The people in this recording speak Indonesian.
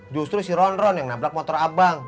justru si ronron yang nabrak motor abang